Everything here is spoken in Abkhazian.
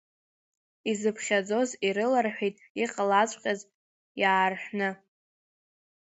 Изыԥхьаӡоз ирыларҳәеит иҟалаҵәҟьаз иаарҳәны.